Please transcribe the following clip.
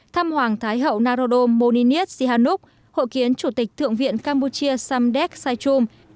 thăm hoàng thái hậu narodom moninit sihannuk hội kiến chủ tịch thượng viện campuchia samdek saichum